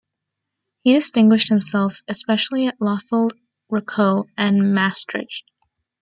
He distinguished himself especially at Lauffeld, Rocoux and Maastricht.